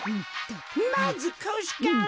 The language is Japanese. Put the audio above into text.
まずこしから。